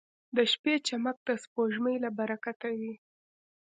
• د شپې چمک د سپوږمۍ له برکته وي.